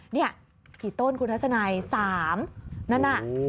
นี่กี่ต้นคุณทัศนัย๓นั่นน่ะ